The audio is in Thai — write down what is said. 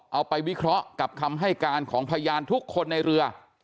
เอาไปวิเคราะห์กับคำให้การของพยานทุกคนในเรือ